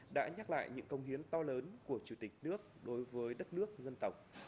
đã nhắc lại những công hiến to lớn của chủ tịch nước đối với đất nước dân tộc